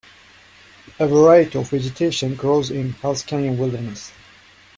A variety of vegetation grows in Hells Canyon Wilderness.